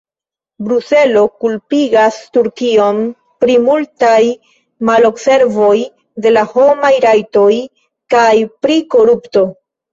Bruselo kulpigas Turkion pri multaj malobservoj de la homaj rajtoj kaj pri korupto.